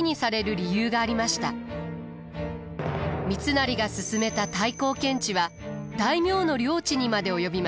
三成が進めた太閤検地は大名の領地にまで及びます。